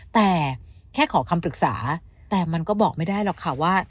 แต่แค่ขอคำปรึกษาแต่มันก็บอกไม่ได้หรอกค่ะว่า